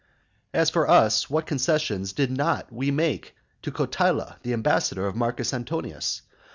As for us, what concessions did not we make to Cotyla the ambassador of Marcus Antonius?